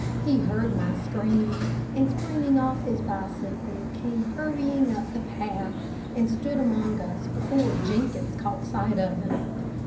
He heard my screams and springing off his bicycle, came hurrying up the path, and stood among us before Jenkins caught sight of him.